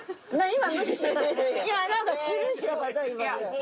今。